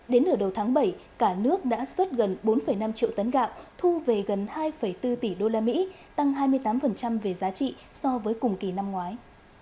đến nửa đầu tháng bảy cả nước đã xuất gần bốn năm triệu tấn gạo thu về gần hai bốn tỷ usd tăng hai mươi tám về giá trị so với cùng kỳ năm ngoái